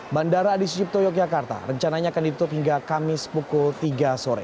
bandara adi sucipto yogyakarta rencananya akan ditutup hingga kamis pukul tiga sore